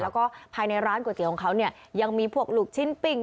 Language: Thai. แล้วก็ภายในร้านก๋วยเตี๋ยวของเขาเนี่ยยังมีพวกลูกชิ้นปิ้ง